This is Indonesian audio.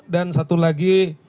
dan satu lagi